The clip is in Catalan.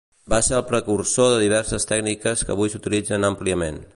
Va ser el precursor de diverses tècniques que avui s'utilitzen àmpliament.